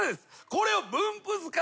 これを。